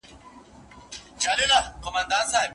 نکاح نارینه او ښځه له کومو حرامو کارونو څخه ژغوري؟